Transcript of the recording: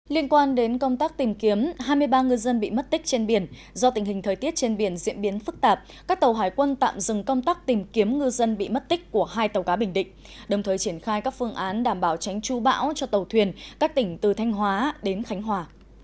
liên quan đến công tác tìm kiếm hai mươi ba ngư dân bị mất tích trên biển do tình hình thời tiết trên biển diễn biến phức tạp các tàu hải quân tạm dừng công tác tìm kiếm ngư dân bị mất tích của hai tàu cá bình định đồng thời triển khai các phương án đảm bảo tránh chú bão cho tàu thuyền các tỉnh từ thanh hóa đến khánh hòa